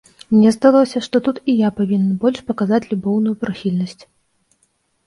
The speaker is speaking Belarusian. Мне здалося, што тут і я павінен больш паказаць любоўную прыхільнасць.